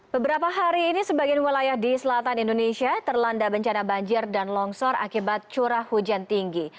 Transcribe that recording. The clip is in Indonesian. beberapa hari ini sebagian wilayah di selatan indonesia terlanda bencana banjir dan longsor akibat curah hujan tinggi